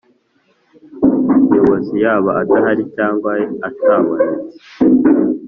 Nyobozi yaba adahari cyangwa atabonetse